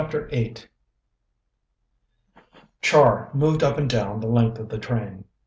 VIII Char moved up and down the length of the train.